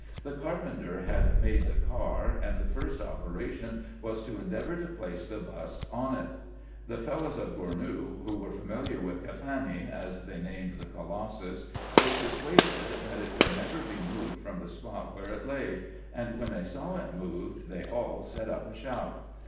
The carpenter had made the car, and the first operation was to endeavour to place the bust on it. The Fellahs of Gournou, who were familiar with Caphany, as they named the colossus, were persuaded, that it could never be moved from the spot where it lay ; and when they saw it moved, they all set up a shout.